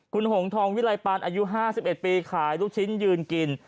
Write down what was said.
คุณหงทองวิลัยปานอายุ๕๑ปีขายลูกชิ้นยืนกิน